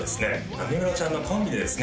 なみめろちゃんのコンビでですね